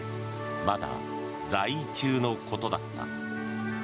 まだ在位中のことだった。